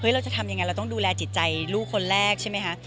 เราจะทำยังไงเราต้องดูแลจิตใจลูกคนแรกใช่ไหมคะ